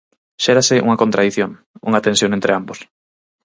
Xérase unha contradición, unha tensión entre ambos.